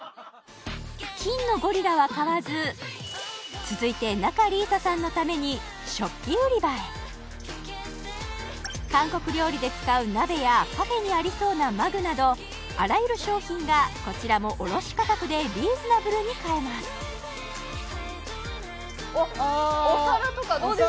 金のゴリラは買わず続いて韓国料理で使う鍋やカフェにありそうなマグなどあらゆる商品がこちらも卸価格でリーズナブルに買えますお皿とかどうですか？